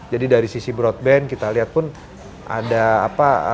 jadi dari sisi broadband kita lihat pun ada apa